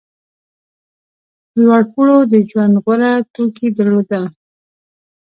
لوړپوړو د ژوند غوره توکي درلودل.